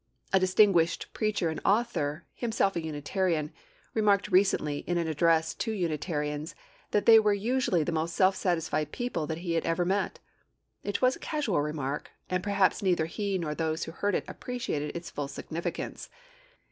A distinguished preacher and author, himself a Unitarian, remarked recently in an address to Unitarians that they were usually the most self satisfied people that he ever met. It was a casual remark, and perhaps neither he nor those who heard it appreciated its full significance.